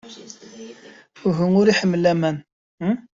Uhu. Ur iḥemmel aman!